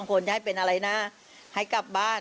ต้องคนใช้เป็นอะไรนะ